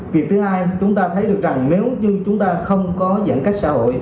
việc thứ hai chúng ta thấy được rằng nếu như chúng ta không có giãn cách xã hội